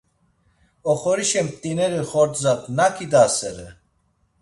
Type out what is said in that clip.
Oxorişe mt̆ineri xordza nak idasere?